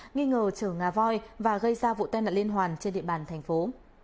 nghi ngờ chở ngà voi và gây ra vụ tai nạn liên hoàn trên địa bàn thành phố